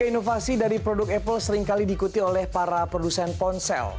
inovasi dari produk apple seringkali diikuti oleh para produsen ponsel